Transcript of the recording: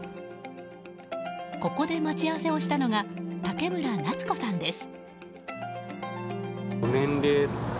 ここで待ち合わせをしたのが竹村奈津子さんです。